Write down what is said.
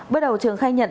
bước đầu trường khai nhận